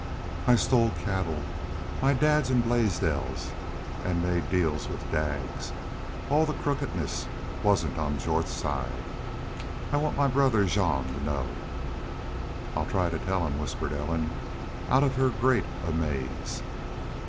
"I stole cattle my dad's an' Blaisdell's an' made deals with Daggs.... All the crookedness wasn't on Jorth's side.... I want my brother Jean to know." "I'll try to tell him," whispered Ellen, out of her great amaze.